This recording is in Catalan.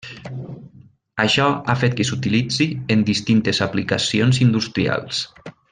Això ha fet que s'utilitzi en distintes aplicacions industrials.